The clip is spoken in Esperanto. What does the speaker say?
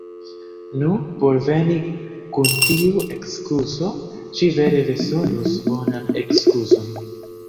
Nu, por veni kun tiu ekskuzo ŝi vere bezonus bonan ekskuzon!